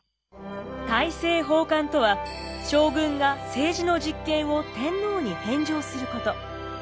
大政奉還とは将軍が政治の実権を天皇に返上すること。